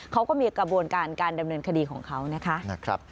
เขาก็มีกระบวนการการดำเนินคดีของเขานะคะ